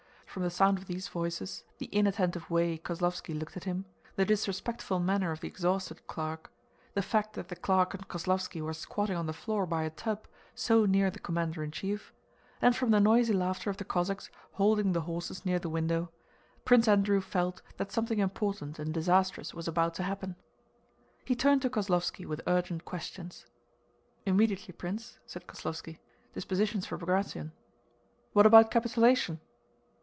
From the sound of these voices, the inattentive way Kozlóvski looked at him, the disrespectful manner of the exhausted clerk, the fact that the clerk and Kozlóvski were squatting on the floor by a tub so near to the commander in chief, and from the noisy laughter of the Cossacks holding the horses near the window, Prince Andrew felt that something important and disastrous was about to happen. He turned to Kozlóvski with urgent questions. "Immediately, Prince," said Kozlóvski. "Dispositions for Bagratión." "What about capitulation?"